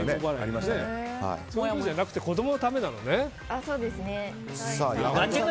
そうじゃなくて子供のためなのね。